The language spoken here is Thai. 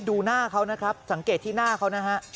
ดูหน้าเขานะครับสังเกตที่หน้าเขานะฮะ